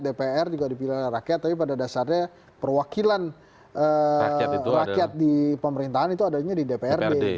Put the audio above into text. dpr juga dipilih oleh rakyat tapi pada dasarnya perwakilan rakyat di pemerintahan itu adanya di dprd